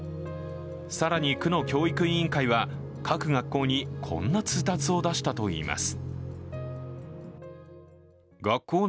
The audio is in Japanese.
更に、区の教育委員会は各学校にこんな通達を出したといいます。